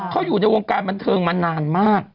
เขาอยู่ในวงการบันเทิงมานานมาก